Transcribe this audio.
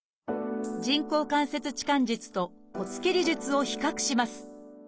人工関節置換術と骨切り術を比較します。